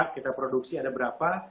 kita produksi ada berapa